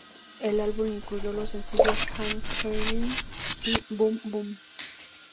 El álbum incluyó los sencillos "I'm Crying" y "Boom Boom".